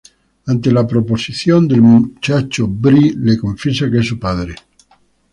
Ante la proposición del muchacho Bree le confiesa que es su padre.